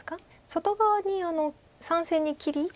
外側に３線に切り。